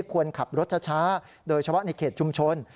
ควรขับรถช้าโดยเฉพาะในเขตชุมชน